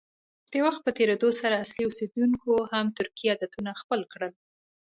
د وخت په تېرېدو سره اصلي اوسیدونکو هم ترکي عادتونه خپل کړل.